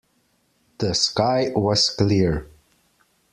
The sky was clear.